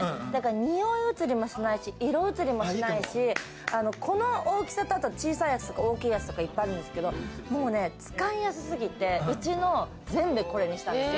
におい移りもしないし、色移りもしないし、この大きさと小さいやつとか大きいやつ、いっぱいあるんですけれども、使いやすすぎて、うちの全部これにしたんです。